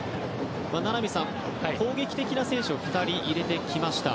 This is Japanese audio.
名波さん、攻撃的な選手を２人入れてきました。